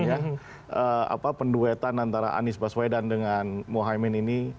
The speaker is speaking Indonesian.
mengagetkan ya penduetan antara anis baswedan dengan mohaimin ini